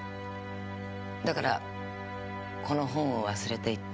だからこの本を忘れていって。